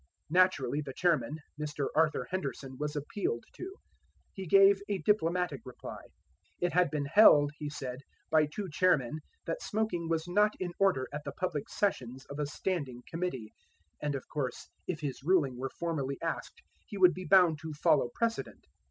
Naturally the chairman, Mr. Arthur Henderson, was appealed to. He gave a diplomatic reply. It had been held, he said, by two chairmen that smoking was not in order at the public sessions of a Standing Committee; and, of course, if his ruling were formally asked he would be bound to follow precedent.